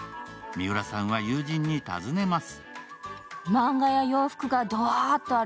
三浦さんは友人に尋ねます。